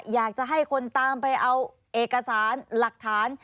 อยากจะให้คนตามไปเอาเอกสารหลักฐาน